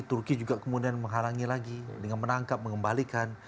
turki juga kemudian menghalangi lagi dengan menangkap mengembalikan